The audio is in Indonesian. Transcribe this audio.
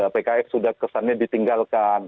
pks sudah kesannya ditinggalkan